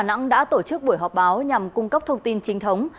chiều qua công an tp đà nẵng đã tổ chức buổi họp báo nhằm cung cấp thông tin chính thống